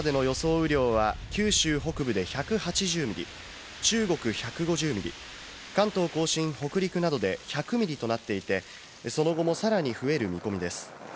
雨量は、九州北部で１８０ミリ、中国１５０ミリ、関東甲信、北陸などで１００ミリとなっていて、その後もさらに増える見込みです。